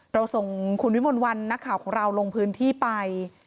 เราส่งคุณวิมลวันนักข่าวของเราลงพื้นที่ไป